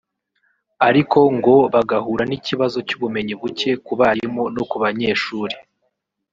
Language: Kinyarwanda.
ariko ngo bagahura n’ikibazo cy’ubumenyi buke ku barimu no ku banyeshuri